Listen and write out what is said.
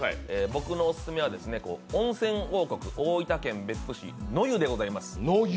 僕のオススメは温泉王国・大分県別府市、野湯でございます。